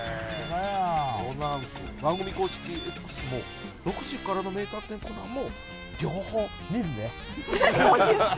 コナン君、番組公式Ｘも、６時からの名探偵コナンも、両方見るね。